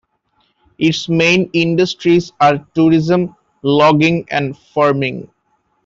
Its main industries are tourism, logging and farming.